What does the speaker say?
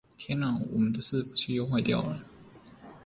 天啊！我們的伺服器又壞掉了